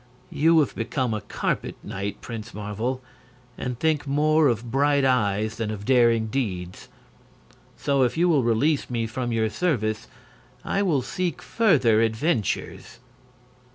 You have become a carpet knight, Prince Marvel, and think more of bright eyes than of daring deeds. So, if you will release me from your service I will seek further adventures."